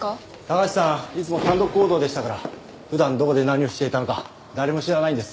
高橋さんいつも単独行動でしたから普段どこで何をしていたのか誰も知らないんです。